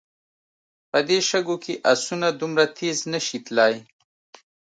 په دې شګو کې آسونه دومره تېز نه شي تلای.